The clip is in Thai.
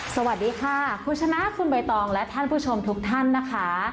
สวัสดีค่ะคุณชนะคุณใบตองและท่านผู้ชมทุกท่านนะคะ